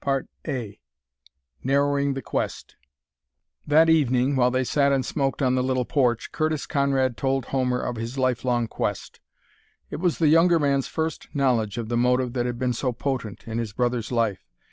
CHAPTER XX NARROWING THE QUEST That evening, while they sat and smoked on the little porch, Curtis Conrad told Homer of his lifelong quest. It was the younger man's first knowledge of the motive that had been so potent in his brother's life.